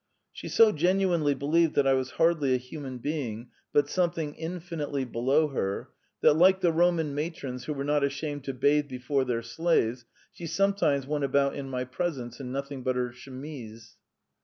She so genuinely believed that I was hardly a human being, but something infinitely below her, that, like the Roman matrons who were not ashamed to bathe before their slaves, she sometimes went about in my presence in nothing but her chemise.